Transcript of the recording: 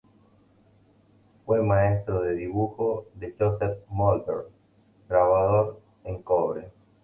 Fue maestro de dibujo de Joseph Mulder, grabador en cobre.